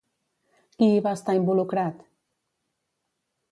Qui hi va estar involucrat?